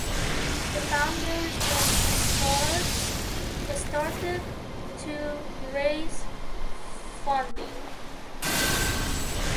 The founders then started to raise funding.